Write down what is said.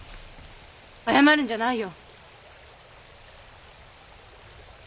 謝るんじゃないよ。